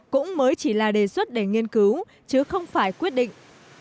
cũng mới chỉ là đề xuất để nghiên cứu chứ không phải quyết định